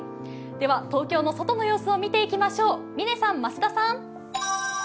では東京の外の様子を見ていきましょう。